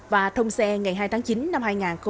và thông xe ngày hai tháng chín năm hai nghìn hai mươi